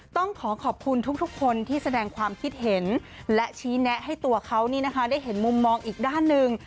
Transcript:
ต้องขอขอบคุณทุกคนที่แสดงความคิดเห็นและชี้แนะให้ตัวเขาได้เห็นมุมมองอีกด้านหนึ่ง